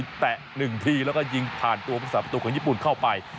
ชัยวัฒน์บูราณตัวสำรองที่ลงมาลูกนี้แตะ๑ทีแล้วก็ยิงผ่านตัวประสาทประตูของญี่ปุ่นเข้าไป